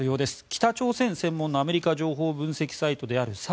北朝鮮専門のアメリカ情報分析サイトである３８